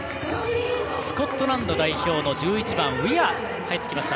スコットランド代表の１１番ウィア入ってきました。